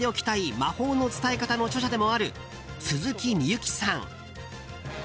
魔法の伝え方」の著者でもある鈴木深雪さん。